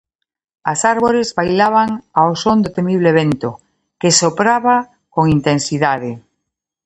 As árbores bailaban ao son do temible vento, que sopraba con intensidade.